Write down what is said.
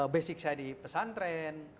basic saya di pesantren